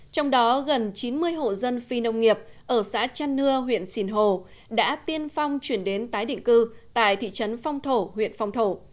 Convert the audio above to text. trong đó gần chín mươi hộ dân phi nông nghiệp ở xã trăn nưa huyện sìn hồ đã tiên phong chuyển đến tái định cư tại thị trấn phong thổ huyện phong thổ